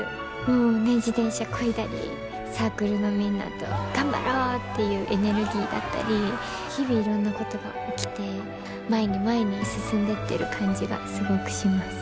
もうね自転車こいだりサークルのみんなと頑張ろうっていうエネルギーだったり日々いろんなことが起きて前に前に進んでってる感じがすごくします。